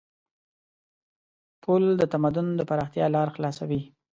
پُل د تمدن د پراختیا لار خلاصوي.